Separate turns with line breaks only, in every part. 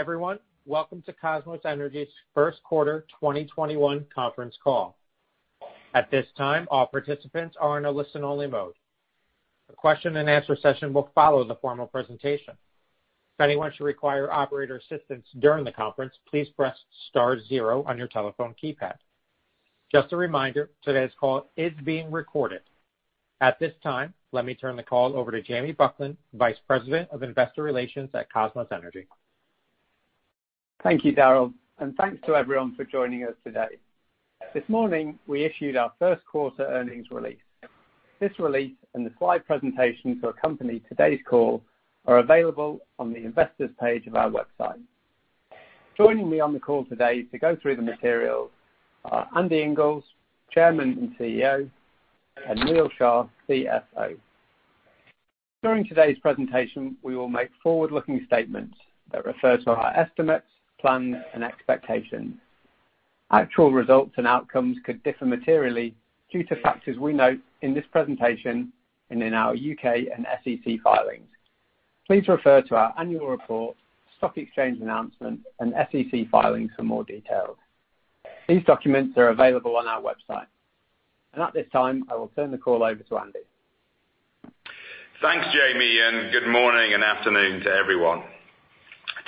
Everyone, welcome to Kosmos Energy's First Quarter 2021 Conference Call. At this time, all participants are in a listen-only mode. A question-and-answer session will follow the formal presentation. If anyone should require operator assistance during the conference, please press star zero on your telephone keypad. Just a reminder, today's call is being recorded. At this time, let me turn the call over to Jamie Buckland, Vice President of Investor Relations at Kosmos Energy.
Thank you, Daryl, and thanks to everyone for joining us today. This morning, we issued our first quarter earnings release. This release and the slide presentation to accompany today's call are available on the investors page of our website. Joining me on the call today to go through the materials are Andy Inglis, Chairman and CEO, and Neal Shah, CFO. During today's presentation, we will make forward-looking statements that refer to our estimates, plans, and expectations. Actual results and outcomes could differ materially due to factors we note in this presentation and in our U.K. and SEC filings. Please refer to our annual report, stock exchange announcement, and SEC filings for more details. These documents are available on our website. At this time, I will turn the call over to Andy.
Thanks, Jamie, and good morning and afternoon to everyone.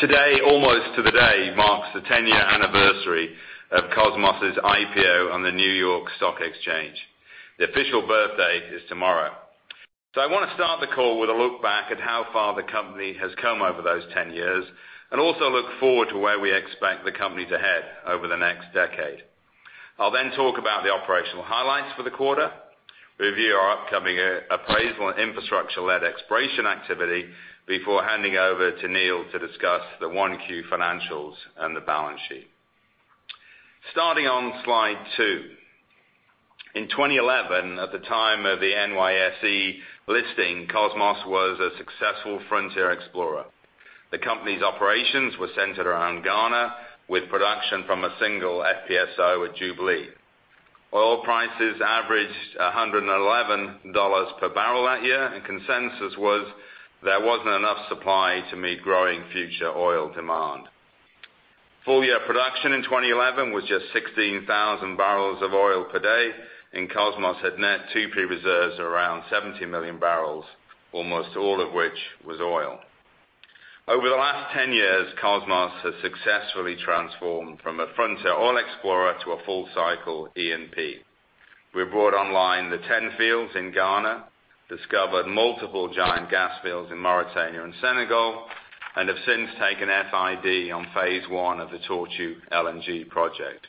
Today, almost to the day, marks the 10-year anniversary of Kosmos's IPO on the New York Stock Exchange. The official birthday is tomorrow. I want to start the call with a look back at how far the company has come over those 10 years, and also look forward to where we expect the company to head over the next decade. I'll talk about the operational highlights for the quarter, review our upcoming appraisal and infrastructure-led exploration activity before handing over to Neal to discuss the 1Q financials and the balance sheet. Starting on Slide 2. In 2011, at the time of the NYSE listing, Kosmos was a successful frontier explorer. The company's operations were centered around Ghana with production from a single FPSO at Jubilee. Oil prices averaged $111 per bbl that year. Consensus was there wasn't enough supply to meet growing future oil demand. Full-year production in 2011 was just 16,000 bbl of oil per day, Kosmos had net 2P reserves around 70 million bbl, almost all of which was oil. Over the last 10 years, Kosmos has successfully transformed from a frontier oil explorer to a full-cycle E&P. We brought online the 10 fields in Ghana, discovered multiple giant gas fields in Mauritania and Senegal, have since taken FID on Phase 1 of the Tortue LNG project.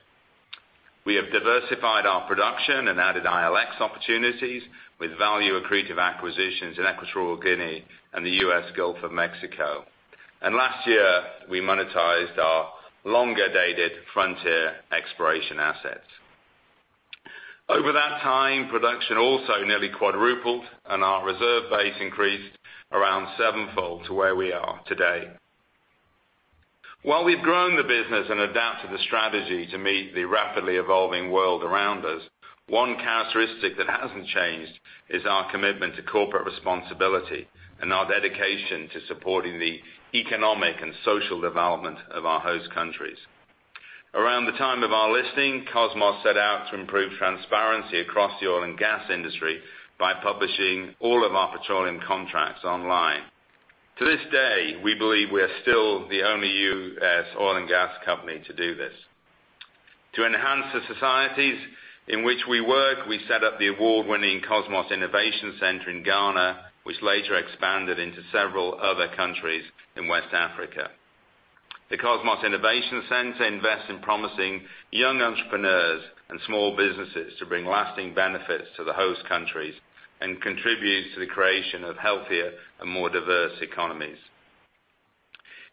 We have diversified our production and added ILX opportunities with value-accretive acquisitions in Equatorial Guinea and the U.S. Gulf of Mexico. Last year, we monetized our longer-dated frontier exploration assets. Over that time, production also nearly quadrupled, our reserve base increased around sevenfold to where we are today. While we've grown the business and adapted the strategy to meet the rapidly evolving world around us, one characteristic that hasn't changed is our commitment to corporate responsibility and our dedication to supporting the economic and social development of our host countries. Around the time of our listing, Kosmos set out to improve transparency across the oil and gas industry by publishing all of our petroleum contracts online. To this day, we believe we are still the only U.S. oil and gas company to do this. To enhance the societies in which we work, we set up the award-winning Kosmos Innovation Center in Ghana, which later expanded into several other countries in West Africa. The Kosmos Innovation Center invests in promising young entrepreneurs and small businesses to bring lasting benefits to the host countries and contributes to the creation of healthier and more diverse economies.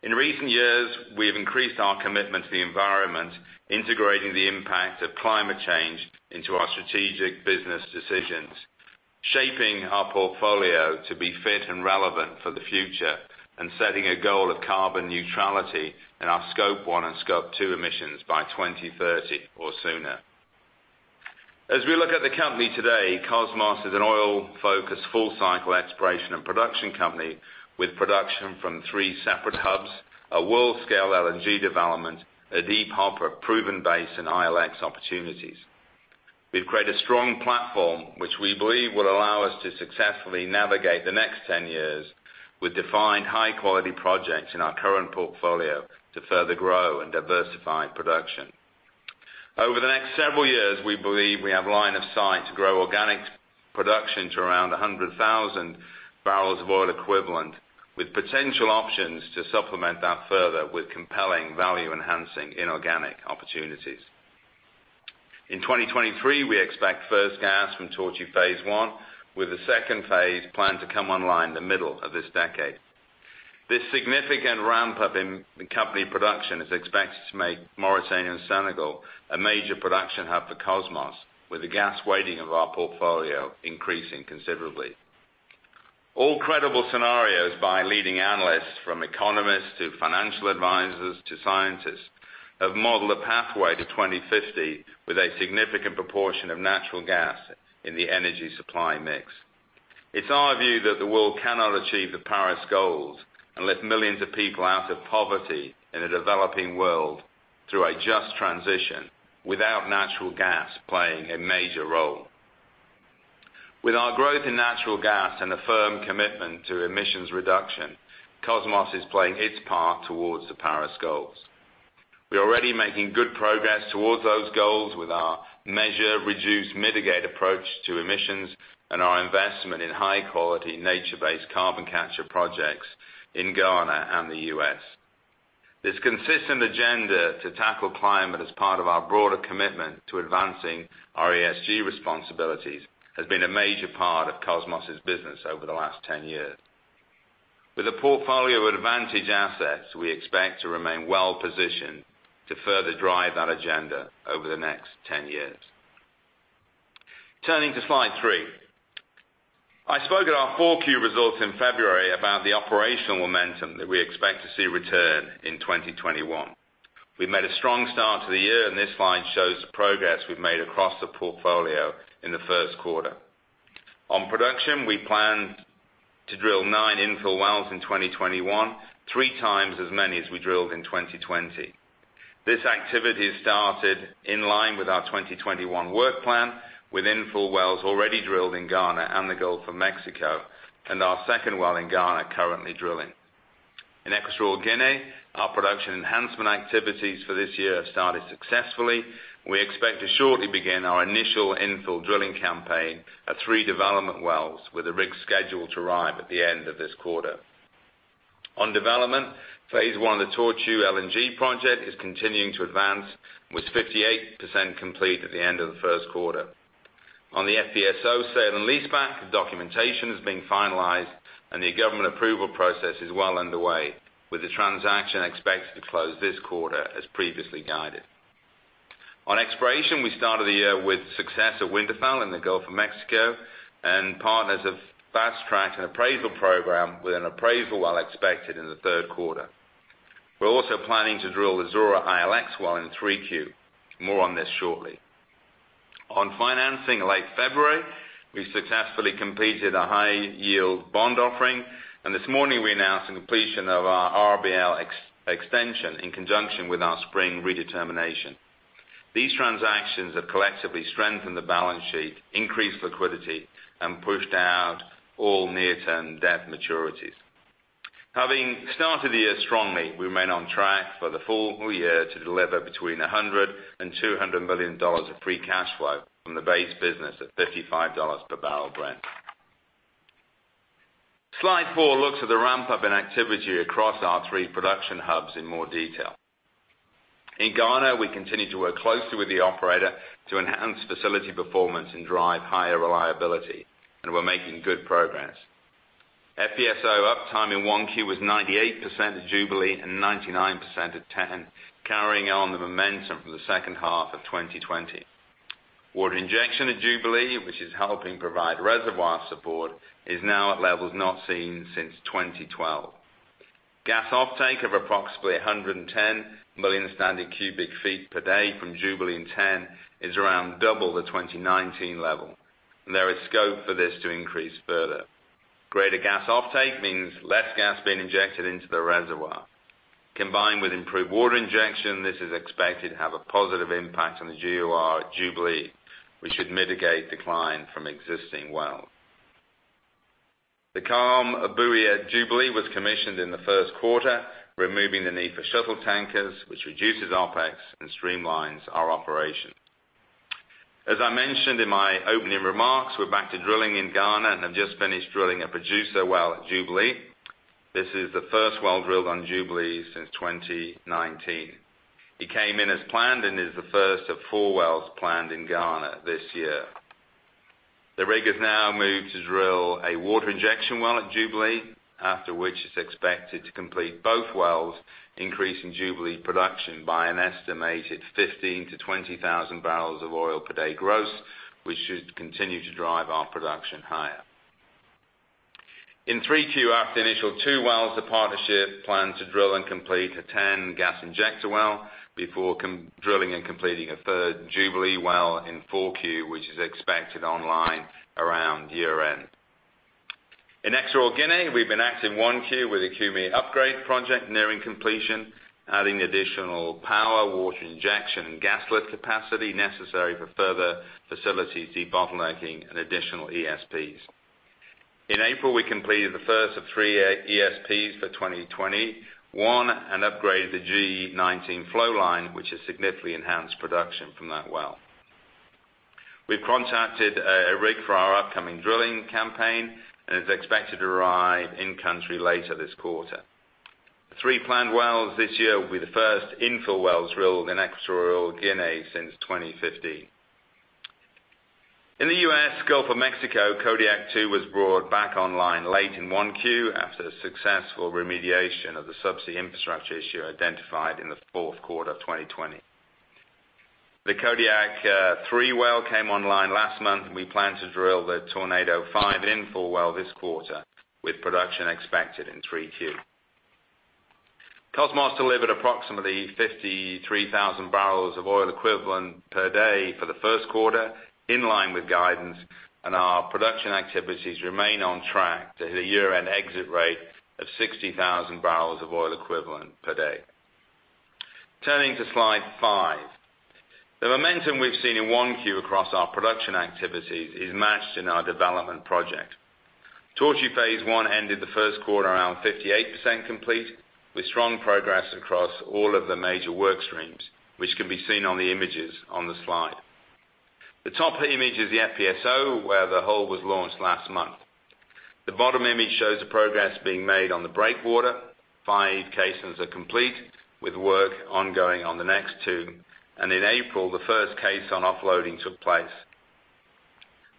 In recent years, we have increased our commitment to the environment, integrating the impact of climate change into our strategic business decisions, shaping our portfolio to be fit and relevant for the future, and setting a goal of carbon neutrality in our Scope 1 and Scope 2 emissions by 2030 or sooner. As we look at the company today, Kosmos is an oil-focused, full-cycle Exploration and Production company with production from three separate hubs, a world-scale LNG development, a deep hopper proven basin ILX opportunities. We've created a strong platform which we believe will allow us to successfully navigate the next 10 years with defined high-quality projects in our current portfolio to further grow and diversify production. Over the next several years, we believe we have line of sight to grow organic production to around 100,000 bbl of oil equivalent, with potential options to supplement that further with compelling value-enhancing inorganic opportunities. In 2023, we expect first gas from Tortue Phase 1, with the Phase 2 planned to come online the middle of this decade. This significant ramp-up in company production is expected to make Mauritania and Senegal a major production hub for Kosmos, with the gas weighting of our portfolio increasing considerably. All credible scenarios by leading analysts, from economists to financial advisors to scientists, have modeled a pathway to 2050 with a significant proportion of natural gas in the energy supply mix. It's our view that the world cannot achieve the Paris goals and lift millions of people out of poverty in the developing world through a just transition without natural gas playing a major role. With our growth in natural gas and a firm commitment to emissions reduction, Kosmos is playing its part towards the Paris goals. We are already making good progress towards those goals with our measure, reduce, mitigate approach to emissions and our investment in high-quality, nature-based carbon capture projects in Ghana and the U.S. This consistent agenda to tackle climate as part of our broader commitment to advancing our ESG responsibilities has been a major part of Kosmos's business over the last 10 years. With a portfolio of advantage assets, we expect to remain well-positioned to further drive that agenda over the next 10 years. Turning to slide three. I spoke at our 4Q results in February about the operational momentum that we expect to see return in 2021. We've made a strong start to the year. This slide shows the progress we've made across the portfolio in the first quarter. On production, we plan to drill nine infill wells in 2021, three times as many as we drilled in 2020. This activity started in line with our 2021 work plan, with infill wells already drilled in Ghana and the Gulf of Mexico, and our second well in Ghana currently drilling. In Equatorial Guinea, our production enhancement activities for this year have started successfully. We expect to shortly begin our initial infill drilling campaign at three development wells, with the rig scheduled to arrive at the end of this quarter. On development, Phase 1 of the Tortue LNG project is continuing to advance, with 58% complete at the end of the first quarter. On the FPSO sale and leaseback, the documentation is being finalized, and the government approval process is well underway, with the transaction expected to close this quarter as previously guided. On exploration, we started the year with success at Winterfell in the Gulf of Mexico, and partners have fast-tracked an appraisal program with an appraisal well expected in the third quarter. We're also planning to drill the Zora ILX well in 3Q. More on this shortly. On financing late February, we successfully completed a high-yield bond offering, and this morning we announced the completion of our RBL extension in conjunction with our spring redetermination. These transactions have collectively strengthened the balance sheet, increased liquidity, and pushed out all near-term debt maturities. Having started the year strongly, we remain on track for the full year to deliver between $100 million and $200 million of free cash flow from the base business at $55 per bbl Brent. Slide four looks at the ramp-up in activity across our three production hubs in more detail. In Ghana, we continue to work closely with the operator to enhance facility performance and drive higher reliability. We're making good progress. FPSO uptime in 1Q was 98% at Jubilee and 99% at TEN, carrying on the momentum from the second half of 2020. Water injection at Jubilee, which is helping provide reservoir support, is now at levels not seen since 2012. Gas offtake of approximately 110 million standard cu ft per day from Jubilee and TEN is around double the 2019 level. There is scope for this to increase further. Greater gas offtake means less gas being injected into the reservoir. Combined with improved water injection, this is expected to have a positive impact on the GOR at Jubilee, which should mitigate decline from existing wells. The CALM buoy at Jubilee was commissioned in the first quarter, removing the need for shuttle tankers, which reduces OpEx and streamlines our operation. As I mentioned in my opening remarks, we're back to drilling in Ghana and have just finished drilling a producer well at Jubilee. This is the first well drilled on Jubilee since 2019. It came in as planned and is the first of four wells planned in Ghana this year. The rig has now moved to drill a water injection well at Jubilee, after which it's expected to complete both wells, increasing Jubilee production by an estimated 15,000 to 20,000 bbl of oil per day gross, which should continue to drive our production higher. In 3Q, after the initial two wells, the partnership planned to drill and complete a TEN gas injector well before drilling and completing a third Jubilee well in 4Q, which is expected online around year-end. In Equatorial Guinea, we've been active in 1Q with the Okume Upgrade Project nearing completion, adding additional power, water injection, and gas lift capacity necessary for further facility debottlenecking and additional ESPs. In April, we completed the first of three ESPs for 2021, an upgrade to the G-19 flow line, which has significantly enhanced production from that well. We've contracted a rig for our upcoming drilling campaign, and it's expected to arrive in-country later this quarter. The three planned wells this year will be the first infill wells drilled in Equatorial Guinea since 2015. In the U.S. Gulf of Mexico, Kodiak-2 was brought back online late in 1Q after the successful remediation of the sub-sea infrastructure issue identified in the fourth quarter of 2020. The Kodiak-3 well came online last month, and we plan to drill the Tornado-5 infill well this quarter, with production expected in 3Q. Kosmos delivered approximately 53,000 bbl of oil equivalent per day for the first quarter, in line with guidance, and our production activities remain on track to hit a year-end exit rate of 60,000 bbl of oil equivalent per day. Turning to Slide five. The momentum we've seen in 1Q across our production activities is matched in our development project. Tortue Phase 1 ended the first quarter around 58% complete, with strong progress across all of the major work streams, which can be seen on the images on the slide. The top image is the FPSO, where the hull was launched last month. The bottom image shows the progress being made on the breakwater. Five caissons are complete, with work ongoing on the next two. In April, the first caisson offloading took place.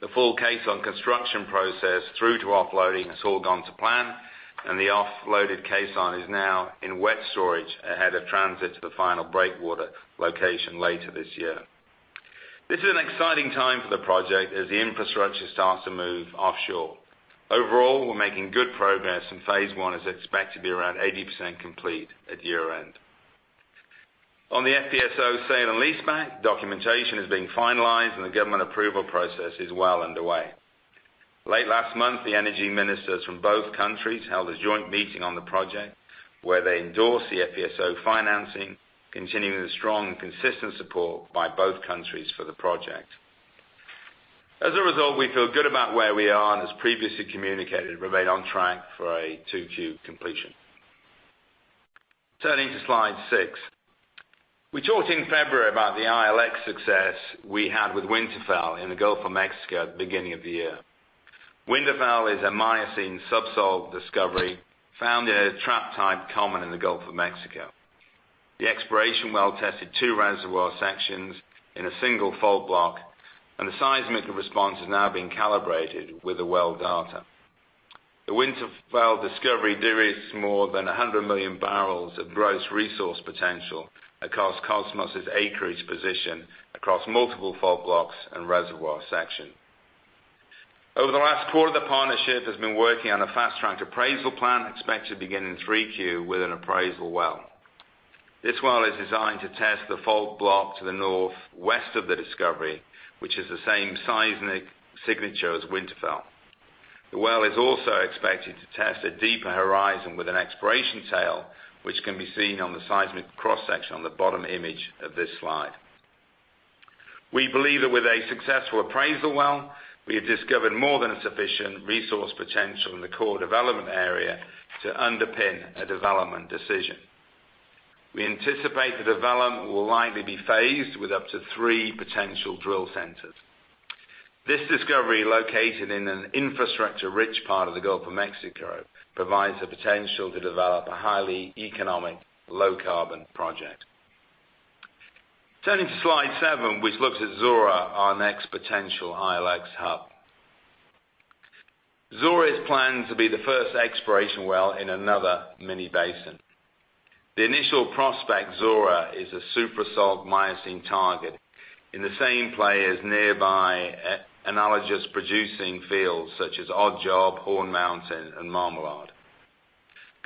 The full caisson construction process through to offloading has all gone to plan, and the offloaded caisson is now in wet storage ahead of transit to the final breakwater location later this year. This is an exciting time for the project as the infrastructure starts to move offshore. Overall, we're making good progress. Phase 1 is expected to be around 80% complete at year-end. On the FPSO sale and leaseback, documentation is being finalized and the government approval process is well underway. Late last month, the energy ministers from both countries held a joint meeting on the project where they endorsed the FPSO financing, continuing the strong and consistent support by both countries for the project. As a result, we feel good about where we are, and as previously communicated, remain on track for a 2Q completion. Turning to Slide 6. We talked in February about the ILX success we had with Winterfell in the Gulf of Mexico at the beginning of the year. Winterfell is a Miocene subsalt discovery found in a trap type common in the Gulf of Mexico. The exploration well tested two reservoir sections in a single fault block, and the seismic response is now being calibrated with the well data. The Winterfell discovery de-risks more than 100 million bbl of gross resource potential across Kosmos' acreage position across multiple fault blocks and reservoir sections. Over the last quarter, the partnership has been working on a fast-tracked appraisal plan expected to begin in 3Q with an appraisal well. This well is designed to test the fault block to the northwest of the discovery, which is the same seismic signature as Winterfell. The well is also expected to test a deeper horizon with an exploration tail, which can be seen on the seismic cross-section on the bottom image of this slide. We believe that with a successful appraisal well, we have discovered more than sufficient resource potential in the core development area to underpin a development decision. We anticipate the development will likely be phased with up to three potential drill centers. This discovery, located in an infrastructure-rich part of the Gulf of Mexico, provides the potential to develop a highly economic, low-carbon project. Turning to Slide 7, which looks at Zora, our next potential ILX hub. Zora is planned to be the first exploration well in another mini basin. The initial prospect, Zora, is a supra-salt Miocene target in the same play as nearby analogous producing fields such as Odd Job, Horn Mountain, and Marmalard.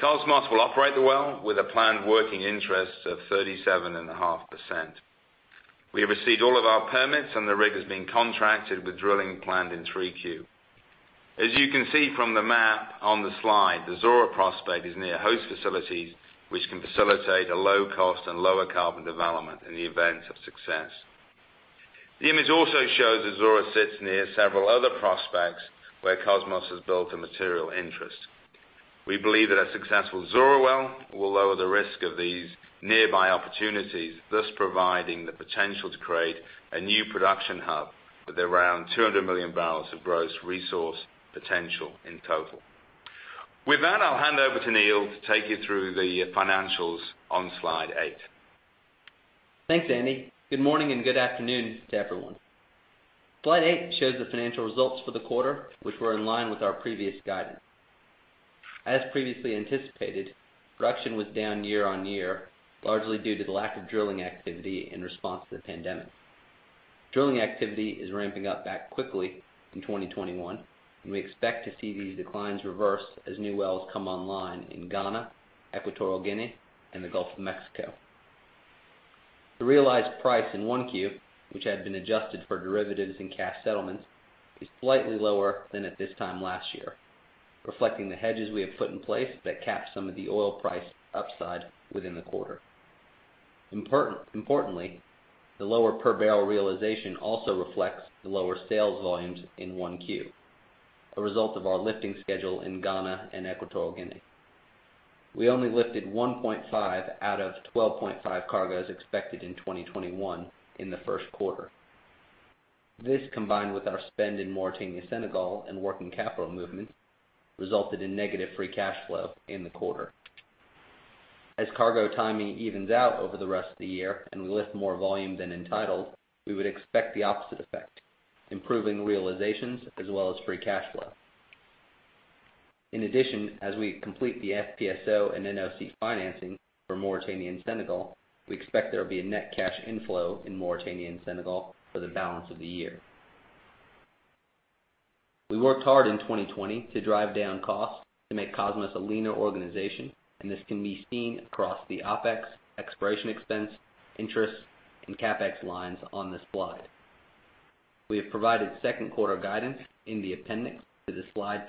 Kosmos will operate the well with a planned working interest of 37.5%. We have received all of our permits, and the rig has been contracted with drilling planned in 3Q. As you can see from the map on the slide, the Zora prospect is near host facilities, which can facilitate a low cost and lower carbon development in the event of success. The image also shows that Zora sits near several other prospects where Kosmos has built a material interest. We believe that a successful Zora well will lower the risk of these nearby opportunities, thus providing the potential to create a new production hub with around 200 million bbl of gross resource potential in total. With that, I'll hand over to Neal to take you through the financials on Slide eight.
Thanks, Andy. Good morning and good afternoon to everyone. Slide eight shows the financial results for the quarter, which were in line with our previous guidance. As previously anticipated, production was down year-over-year, largely due to the lack of drilling activity in response to the pandemic. Drilling activity is ramping up back quickly in 2021, and we expect to see these declines reversed as new wells come online in Ghana, Equatorial Guinea, and the Gulf of Mexico. The realized price in 1Q, which had been adjusted for derivatives and cash settlements, is slightly lower than at this time last year, reflecting the hedges we have put in place that capped some of the oil price upside within the quarter. Importantly, the lower per barrel realization also reflects the lower sales volumes in 1Q, a result of our lifting schedule in Ghana and Equatorial Guinea. We only lifted 1.5 out of 12.5 cargoes expected in 2021 in the first quarter. This, combined with our spend in Mauritania-Senegal and working capital movements, resulted in negative free cash flow in the quarter. As cargo timing evens out over the rest of the year and we lift more volume than entitled, we would expect the opposite effect, improving realizations as well as free cash flow. In addition, as we complete the FPSO and NOC financing for Mauritania and Senegal, we expect there will be a net cash inflow in Mauritania and Senegal for the balance of the year. We worked hard in 2020 to drive down costs to make Kosmos a leaner organization, and this can be seen across the OpEx, exploration expense, interest, and CapEx lines on this slide. We have provided second quarter guidance in the appendix to the slide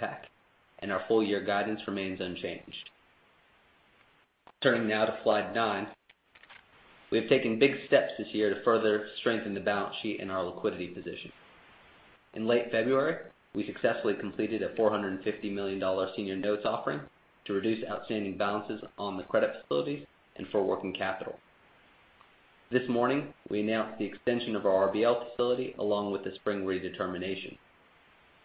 pack. Our full year guidance remains unchanged. Turning now to slide nine. We have taken big steps this year to further strengthen the balance sheet and our liquidity position. In late February, we successfully completed a $450 million senior notes offering to reduce outstanding balances on the credit facilities and for working capital. This morning, we announced the extension of our RBL facility along with the spring redetermination.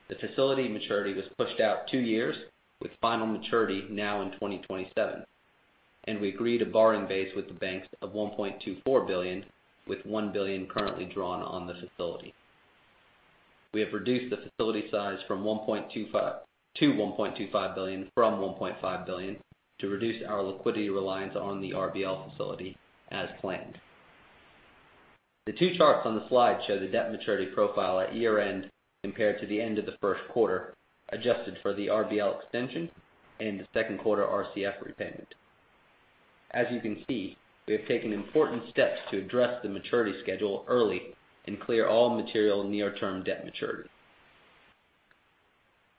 The facility maturity was pushed out two years, with final maturity now in 2027, and we agreed a borrowing base with the banks of $1.24 billion, with $1 billion currently drawn on the facility. We have reduced the facility size to $1.25 billion from $1.5 billion to reduce our liquidity reliance on the RBL facility as planned. The two charts on the slide show the debt maturity profile at year-end compared to the end of the first quarter, adjusted for the RBL extension and the second quarter RCF repayment. As you can see, we have taken important steps to address the maturity schedule early and clear all material near-term debt maturity.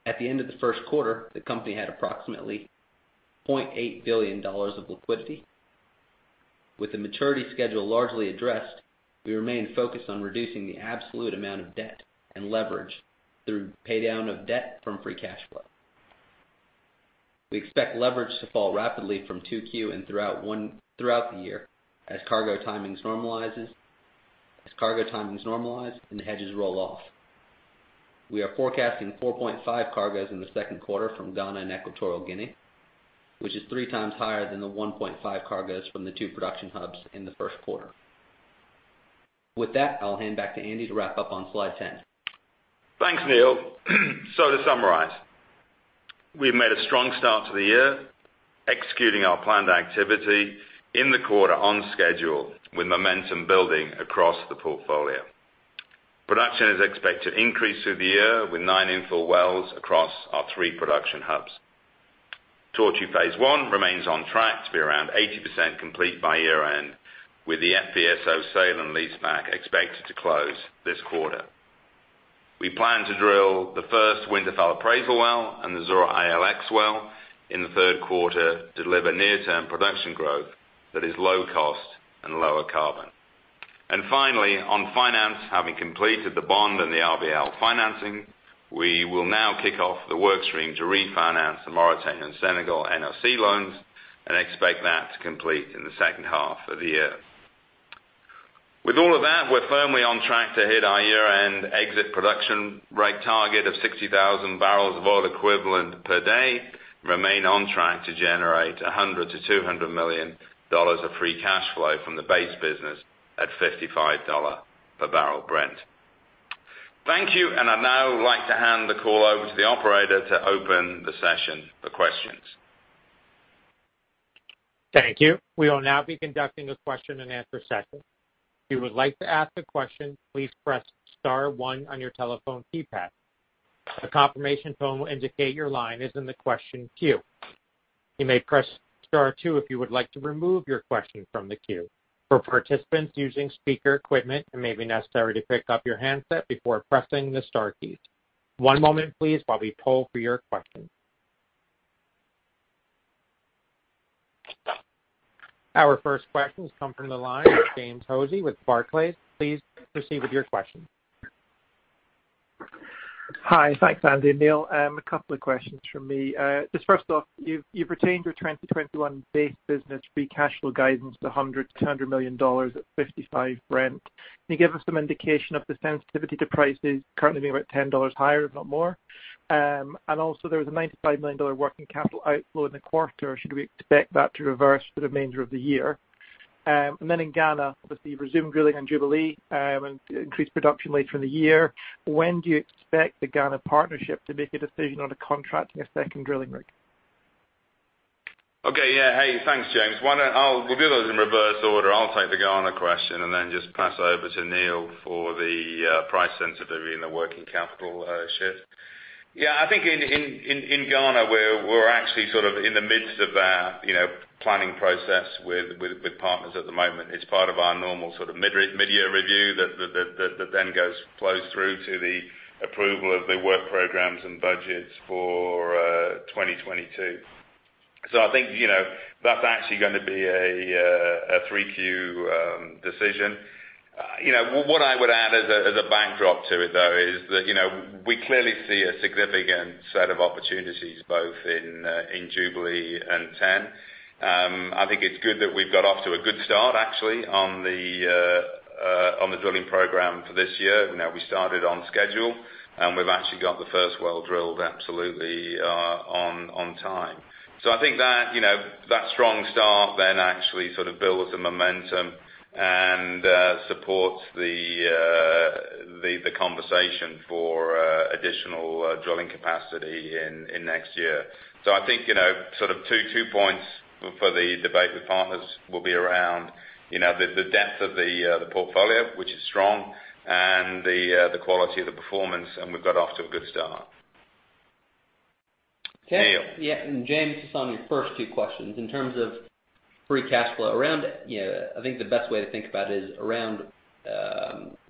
At the end of the first quarter, the company had approximately $0.8 billion of liquidity. With the maturity schedule largely addressed, we remain focused on reducing the absolute amount of debt and leverage through paydown of debt from free cash flow. We expect leverage to fall rapidly from 2Q and throughout the year as cargo timings normalize and hedges roll off. We are forecasting 4.5 cargoes in the second quarter from Ghana and Equatorial Guinea, which is three times higher than the 1.5 cargoes from the two production hubs in the first quarter. With that, I'll hand back to Andy to wrap up on slide 10.
Thanks, Neal. To summarize, we've made a strong start to the year, executing our planned activity in the quarter on schedule with momentum building across the portfolio. Production is expected to increase through the year with nine infill wells across our three production hubs. Tortue Phase 1 remains on track to be around 80% complete by year-end, with the FPSO sale and leaseback expected to close this quarter. We plan to drill the first Winterfell appraisal well and the Zora ILX well in the third quarter to deliver near-term production growth that is low cost and lower carbon. Finally, on finance, having completed the bond and the RBL financing, we will now kick off the work stream to refinance the Mauritania and Senegal NOC loans and expect that to complete in the second half of the year. With all of that, we're firmly on track to hit our year-end exit production rate target of 60,000 bbl of oil equivalent per day, remain on track to generate $100 to $200 million of free cash flow from the base business at $55 per bbl Brent. Thank you. I'd now like to hand the call over to the operator to open the session for questions.
Thank you. We will now be conducting a question-and-answer session. If you would like to ask a question, please press star one on your telephone keypad. A confirmation tone will indicate your line is in the question queue. You may press star two if you would like to remove your question from the queue. For participants using speaker equipment, it may be necessary to pick up your handset before pressing the star keys. One moment, please, while we poll for your questions. Our first questions come from the line of James Hosie with Barclays. Please proceed with your question.
Hi. Thanks, Andy and Neal. A couple of questions from me. Just first off, you've retained your 2021 base business free cash flow guidance to $100 million-$200 million at $55 Brent. Can you give us some indication of the sensitivity to prices currently being about $10 higher, if not more? Also, there was a $95 million working capital outflow in the quarter. Should we expect that to reverse for the remainder of the year? Then in Ghana, with the resumed drilling on Jubilee, and increased production later in the year, when do you expect the Ghana partnership to make a decision on a contract and a second drilling rig?
Okay, yeah. Hey, thanks, James. We'll do those in reverse order. I'll take the Ghana question then just pass over to Neal for the price sensitivity and the working capital shift. Yeah, I think in Ghana, we're actually sort of in the midst of our planning process with partners at the moment. It's part of our normal sort of mid-year review that then flows through to the approval of the work programs and budgets for 2022. I think that's actually going to be a 3Q decision. What I would add as a backdrop to it, though, is that we clearly see a significant set of opportunities both in Jubilee and TEN. I think it's good that we've got off to a good start, actually, on the drilling program for this year. We started on schedule, and we've actually got the first well drilled absolutely on time. I think that strong start then actually sort of builds the momentum and supports the conversation for additional drilling capacity in next year. I think sort of two points for the debate with partners will be around the depth of the portfolio, which is strong, and the quality of the performance, and we've got off to a good start. Neal?
Yeah, James, just on your first two questions, in terms of free cash flow, I think the best way to think about it is around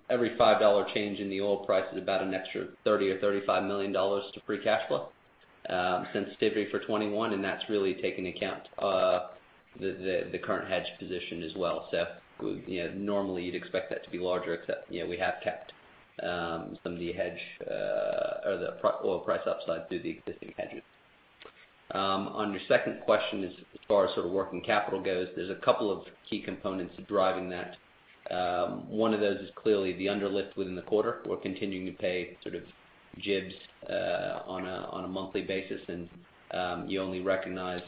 every $5 change in the oil price is about an extra $30 or $35 million to free cash flow sensitivity for 2021, that's really taking account the current hedge position as well. Normally you'd expect that to be larger, except we have capped some of the hedge or the oil price upside through the existing hedging. On your second question, as far as sort of working capital goes, there's a couple of key components driving that. One of those is clearly the underlift within the quarter. We're continuing to pay sort of JIBs on a monthly basis, you only recognize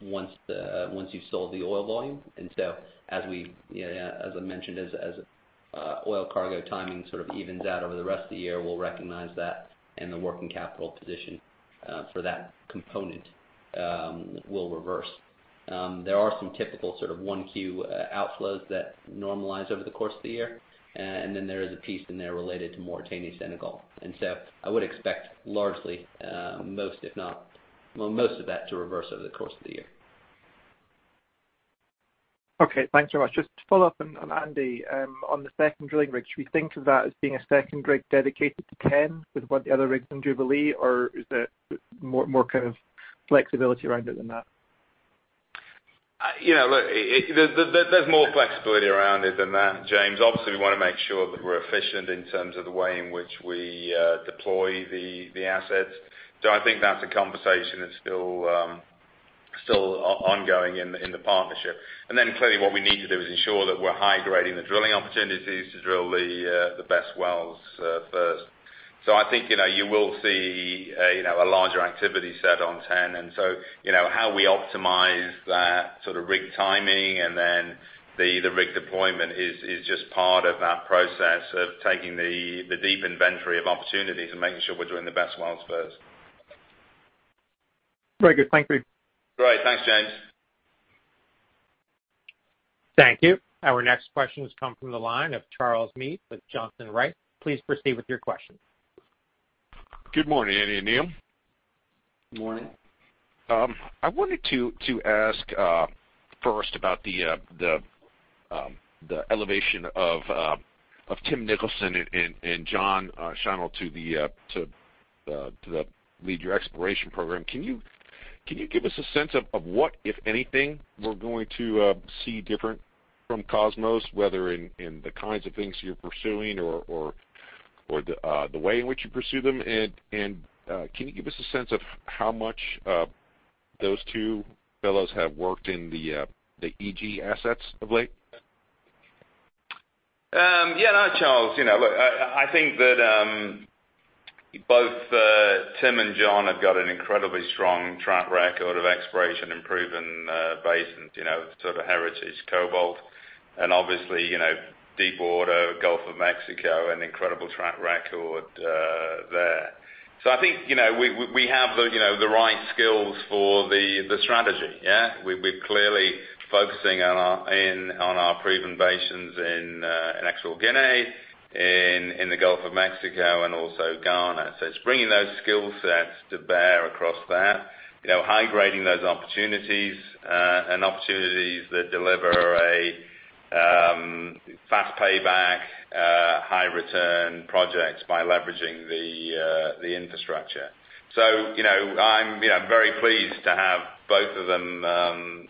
once you've sold the oil volume. As I mentioned, as oil cargo timing sort of evens out over the rest of the year, we will recognize that and the working capital position for that component will reverse. There are some typical sort of 1Q outflows that normalize over the course of the year, and then there is a piece in there related to Mauritania, Senegal. I would expect largely most of that to reverse over the course of the year.
Okay, thanks very much. Just to follow up on Andy, on the second drilling rig, should we think of that as being a second rig dedicated to TEN with what the other rig's in Jubilee, or is it more kind of flexibility around it than that?
Look, there's more flexibility around it than that, James. Obviously, we want to make sure that we're efficient in terms of the way in which we deploy the assets. I think that's a conversation that's still ongoing in the partnership. Clearly what we need to do is ensure that we're high grading the drilling opportunities to drill the best wells first. I think you will see a larger activity set on TEN. How we optimize that sort of rig timing and then the rig deployment is just part of that process of taking the deep inventory of opportunities and making sure we're doing the best wells first.
Very good. Thank you.
Great. Thanks, James.
Thank you. Our next question comes from the line of Charles Meade with Johnson Rice. Please proceed with your question.
Good morning, Andy and Neal.
Morning.
I wanted to ask first about the elevation of Tim Nicholson and John Shinol to lead your exploration program. Can you give us a sense of what, if anything, we're going to see different from Kosmos, whether in the kinds of things you're pursuing or the way in which you pursue them? Can you give us a sense of how much those two fellows have worked in the EG assets of late?
Yeah, Charles, look, I think that both Tim and John have got an incredibly strong track record of exploration and proven basins, sort of heritage Cobalt, and obviously, Deepwater, Gulf of Mexico, an incredible track record there. I think we have the right skills for the strategy. We're clearly focusing in on our proven basins in Equatorial Guinea, in the Gulf of Mexico and also Ghana. It's bringing those skill sets to bear across that. High grading those opportunities and opportunities that deliver a fast payback, high return projects by leveraging the infrastructure. I'm very pleased to have both of them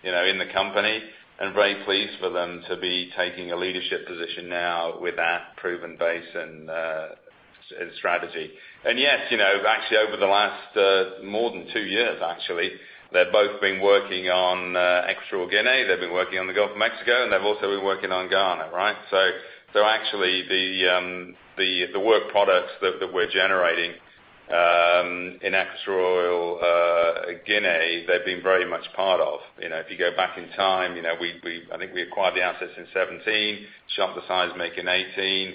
in the company and very pleased for them to be taking a leadership position now with that proven basin and strategy. Yes, actually over the last more than two years, actually, they've both been working on Equatorial Guinea. They've been working on the Gulf of Mexico, and they've also been working on Ghana. Actually the work products that we're generating in Equatorial Guinea, they've been very much part of. If you go back in time, I think we acquired the assets in 2017, shot the seismic in 2018.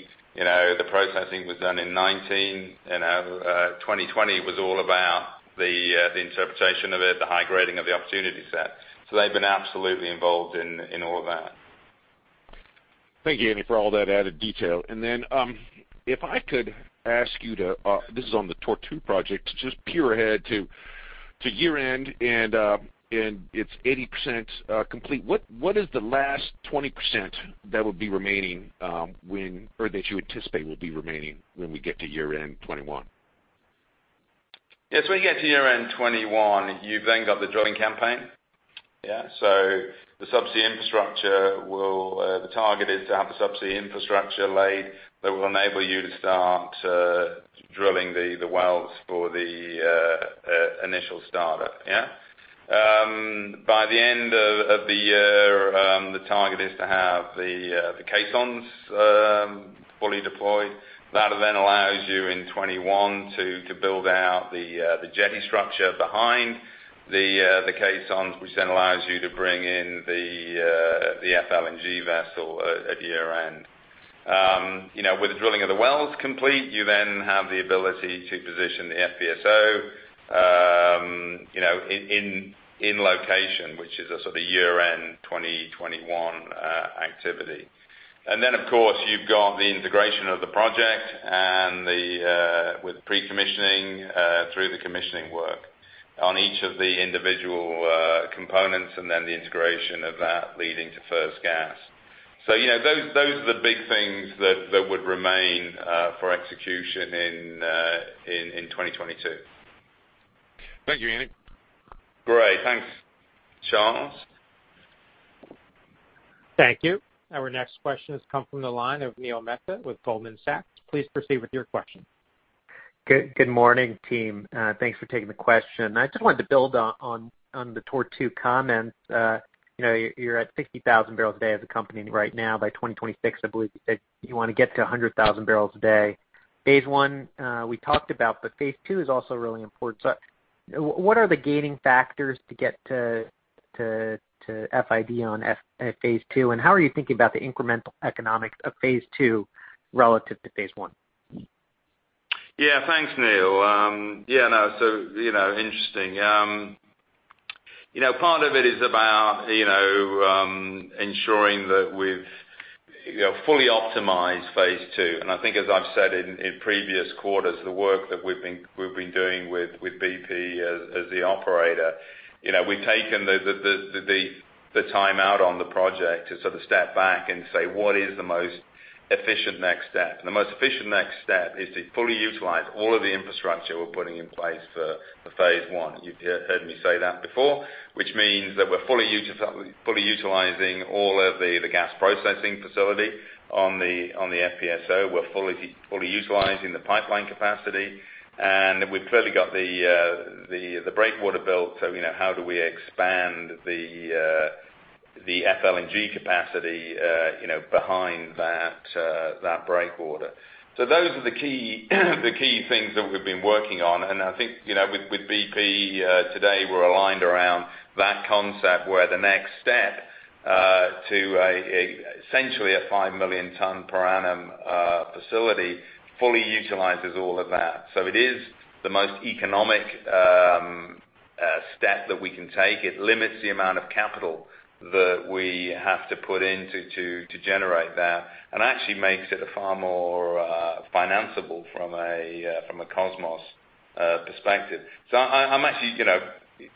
The processing was done in 2019. 2020 was all about the interpretation of it, the high grading of the opportunity set. They've been absolutely involved in all of that.
Thank you, Andy, for all that added detail. This is on the Tortue project. Just project ahead to year-end, it's 80% complete. What is the last 20% that will be remaining or that you anticipate will be remaining when we get to year-end 2021?
Yeah. When you get to year-end 2021, you've then got the drilling campaign. The subsea infrastructure, the target is to have the subsea infrastructure laid that will enable you to start drilling the wells for the initial startup. By the end of the year, the target is to have the caissons fully deployed. That then allows you in 2021 to build out the jetty structure behind the caissons, which then allows you to bring in the FLNG vessel at year-end. With the drilling of the wells complete, you then have the ability to position the FPSO in location, which is a sort of year-end 2021 activity. Of course, you've got the integration of the project and with pre-commissioning through the commissioning work on each of the individual components, and then the integration of that leading to first gas. Those are the big things that would remain for execution in 2022.
Thank you, Andy.
Great. Thanks. Charles?
Thank you. Our next question has come from the line of Neil Mehta with Goldman Sachs. Please proceed with your question.
Good morning, team. Thanks for taking the question. I just wanted to build on the Tortue comments. You're at 60,000 bbl a day as a company right now. By 2026, I believe you said you want to get to 100,000 bbl a day. Phase 1 we talked about, Phase 2 is also really important. What are the gating factors to get to FID on Phase 2, and how are you thinking about the incremental economics of Phase 2 relative to Phase 1?
Yeah. Thanks, Neil. Interesting. Part of it is about ensuring that we've fully optimized Phase 2, and I think as I've said in previous quarters, the work that we've been doing with BP as the operator. We've taken the time out on the project to sort of step back and say, "What is the most efficient next step?" The most efficient next step is to fully utilize all of the infrastructure we're putting in place for Phase 1. You've heard me say that before, which means that we're fully utilizing all of the gas processing facility on the FPSO. We're fully utilizing the pipeline capacity, and we've clearly got the breakwater built, so how do we expand the FLNG capacity behind that breakwater? Those are the key things that we've been working on, and I think, with BP today we're aligned around that concept where the next step to essentially a 5 million ton per annum facility fully utilizes all of that. It is the most economic step that we can take. It limits the amount of capital that we have to put in to generate that, and actually makes it a far more financeable from a Kosmos perspective. I'm actually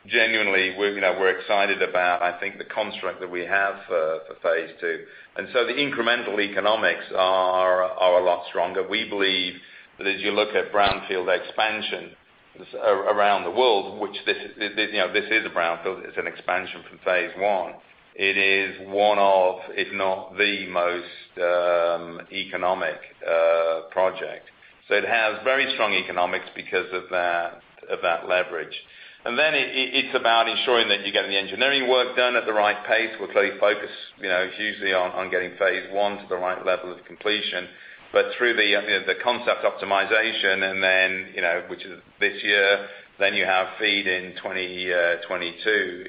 genuinely, we're excited about, I think, the construct that we have for Phase 2, and so the incremental economics are a lot stronger. We believe that as you look at brownfield expansions around the world, which this is a brownfield, it's an expansion from Phase 1. It is one of, if not the most economic project. It has very strong economics because of that leverage. Then it's about ensuring that you get the engineering work done at the right pace. We're clearly focused hugely on getting Phase 1 to the right level of completion. Through the concept optimization and then, which is this year, then you have FEED in 2022.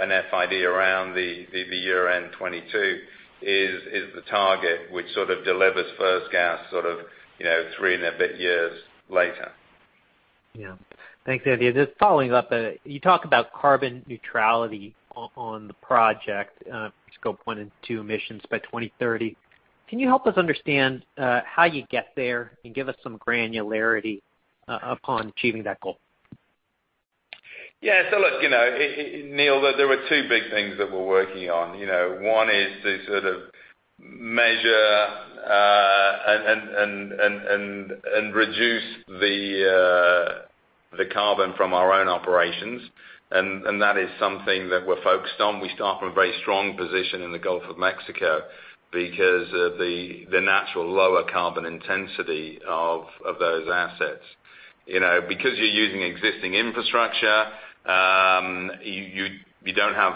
An FID around the year-end 2022 is the target which sort of delivers first gas three and a bit years later.
Thanks, Andy. Just following up, you talk about carbon neutrality on the project, Scope 1 and Scope 2 emissions by 2030. Can you help us understand how you get there and give us some granularity upon achieving that goal?
Yeah. Look, Neil, there are two big things that we're working on. One is to sort of measure and reduce the carbon from our own operations, and that is something that we're focused on. We start from a very strong position in the Gulf of Mexico because of the natural lower carbon intensity of those assets. Because you're using existing infrastructure, you don't have